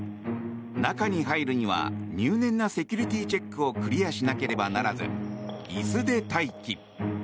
中に入るには入念なセキュリティーチェックをクリアしなければならず椅子で待機。